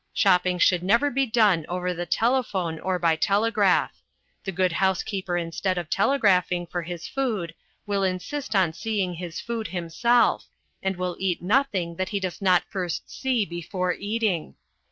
Shopping should never be done over the telephone or by telegraph. The good housekeeper instead of telegraphing for his food will insist on seeing his food himself, and will eat nothing that he does not first see before eating.